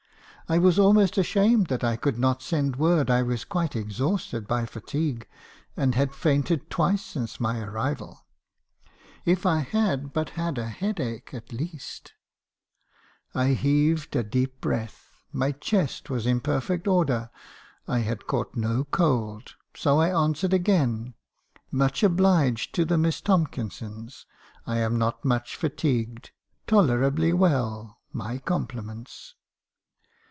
I was almost ashamed that I could not send word I was quite exhausted by fatigue, and had fainted twice since my arrival. If 1 had but had a headache, at least! mr. haehison's concessions. 241 I heaved a deep breath: my chest was in perfect order; I had caught no cold ; so I answered again —" 'Much obliged to the Miss Tomkinsons; I am not much fatigued ; tolerably well ; my compliments.'